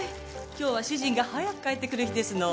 今日は主人が早く帰ってくる日ですの。